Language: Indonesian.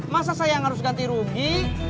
masa saya yang harus ganti rugi